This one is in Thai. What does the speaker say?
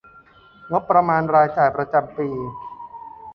งบประมาณรายจ่ายประจำปี